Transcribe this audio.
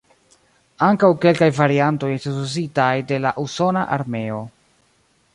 Ankaŭ kelkaj variantoj estis uzitaj de la Usona Armeo.